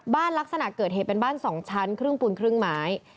ลักษณะเกิดเหตุเป็นบ้าน๒ชั้นครึ่งปูนครึ่งไม้